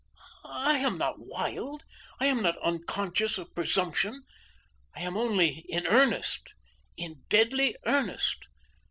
I am not wild; I am not unconscious of presumption. I am only in earnest, in deadly earnest.